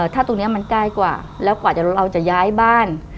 ถ้าตรงนี้มันใกล้กว่าแล้วกว่าเราจะย้ายบ้าน